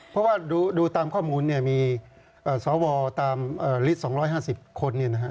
เพราะว่าดูตามข้อมูลมีสวตามลิตร๒๕๐คน